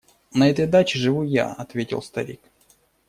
– На этой даче живу я, – ответил старик.